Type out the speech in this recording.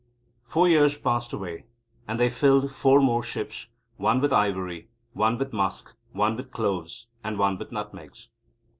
Four years passed away, and they filled four more ships, one with ivory, one with musk, one with cloves, and one with nutmegs.